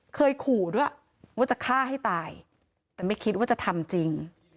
เคยขู่ด้วยว่าจะฆ่าให้ตายแต่ไม่คิดว่าจะทำจริง